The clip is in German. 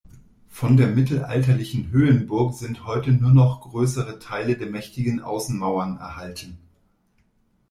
Von der mittelalterlichen Höhenburg sind heute nur noch größere Teile der mächtigen Außenmauern erhalten.